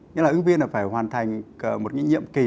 nghĩa là ứng viên phải hoàn thành một nghị nhiệm kỳ